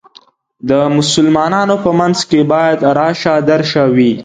د مسلمانانو په منځ کې باید راشه درشه وي.